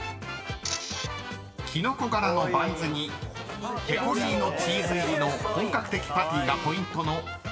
［キノコ柄のバンズにペコリーノチーズ入りの本格的パティがポイントの］